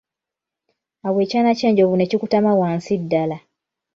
Awo ekyana ky'enjovu ne kikutama wansi ddala.